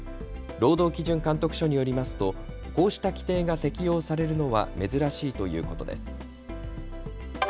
労働基準監督署によりますとこうした規定が適用されるのは珍しいということです。